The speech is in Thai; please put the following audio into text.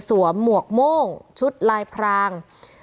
หมวกโม่งชุดลายพราง